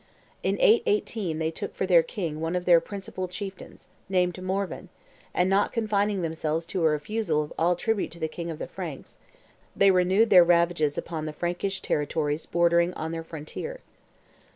In 818 they took for king one of their principal chieftains, named Morvan; and, not confining themselves to a refusal of all tribute to the king of the Franks, they renewed their ravages upon the Frankish territories bordering on their frontier.